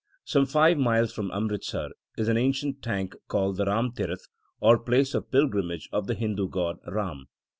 Some five miles from Amritsar is an ancient tank called the Ram Tirath or place of pilgrim age of the Hindu god Ram.